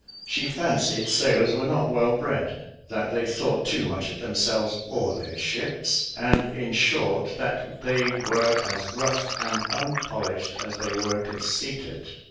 She fancied sailors were not well bred; that they thought too much of themselves or their ships; and, in short, that they were as rough and unpolished as they were conceited.